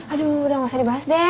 aduh udah gak usah dibahas deh